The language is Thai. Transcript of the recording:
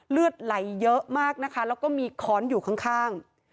เลือดไหลเยอะมากนะคะแล้วก็มีค้อนอยู่ข้าง